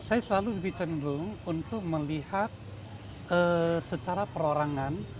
saya selalu lebih cenderung untuk melihat secara perorangan